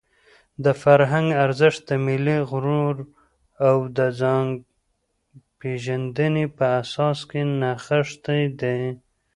د فرهنګ ارزښت د ملي غرور او د ځانپېژندنې په احساس کې نغښتی دی.